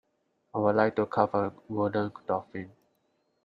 I would like to carve a wooden dolphin.